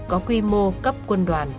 có quy mô cấp quân đoàn